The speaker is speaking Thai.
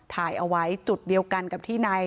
ถ่ายเอาไว้จุดเดียวกันกับที่ใน